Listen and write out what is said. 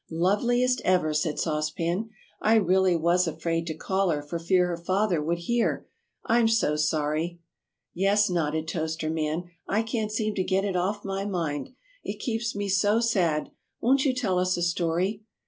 "Loveliest ever!" said Sauce Pan. "I really was afraid to call her for fear her father would hear. I'm so sorry " "Yes," nodded Toaster Man, "I can't seem to get it off my mind. It keeps me so sad won't you tell us a story?"